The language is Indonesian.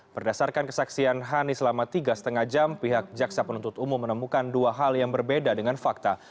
berdasarkan kesaksian hani selama tiga lima jam pihak jaksa penuntut umum menemukan dua hal yang berbeda dengan fakta